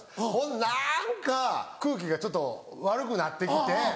なんか空気がちょっと悪くなって来て。